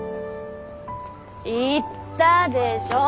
言ったでしょ？